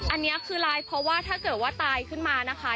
อันนี้คือร้ายเพราะว่าถ้าเกิดว่าตายขึ้นมานะคะ